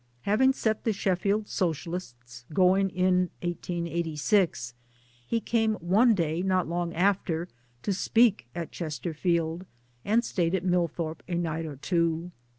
1 Having set the " Sheffield Socialists " going in '86, he came one day not long after to speak at Chesterfield, and stayed at Millthorpe a night or two.